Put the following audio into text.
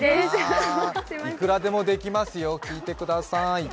いくらでもできますよ、聞いてください。